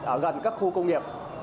ở gần các khu công nghiệp